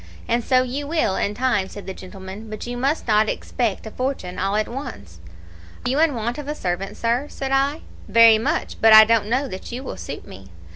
"'And so you will, in time,' said the gentleman, 'but you must not expect a fortune all at once.' "'Are you in want of a servant, sir?' said I. "'Very much; but I don't know that you will suit me.'